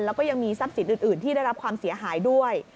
แล้วก็ยังมีทรัพย์สินอื่นที่ได้รับความเสียหายด้วย